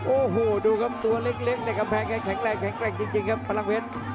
โอ้โหดูครับตัวเล็กในกระแพงแข็งแรงจริงครับพลังเพชร